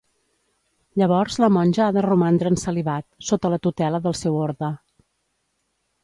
Llavors la monja ha de romandre en celibat, sota la tutela del seu orde.